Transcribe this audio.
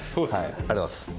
ありがとうございます。